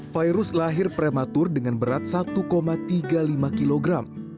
virus lahir prematur dengan berat satu tiga puluh lima kg